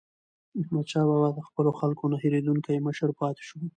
احمدشاه بابا د خپلو خلکو نه هېریدونکی مشر پاتې سو.